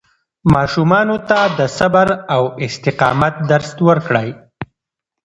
ماشومانو ته د صبر او استقامت درس ورکړئ.